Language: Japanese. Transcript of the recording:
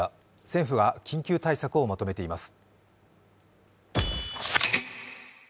政府は緊急対策をまとめています。